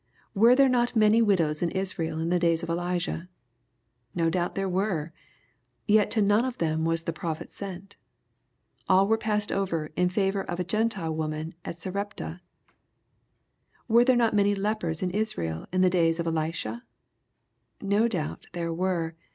Were there not many widows in Israel in the days of Elijah ? No doubt there were. Yet to none of them was the prophet sent. All were passed over in favor of a Gentile widow at Sarepta. — ^Were there not many lepers in Israel in the days of Elisha ? No doubt there were.